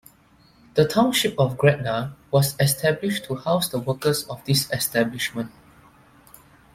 The township of Gretna was established to house the workers of this establishment.